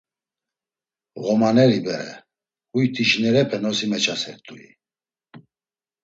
Ğomaneri bere, huy tişinerepe nosi meçasert̆ui?